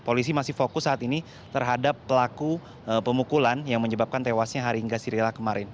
polisi masih fokus saat ini terhadap pelaku pemukulan yang menyebabkan tewasnya haringga sirila kemarin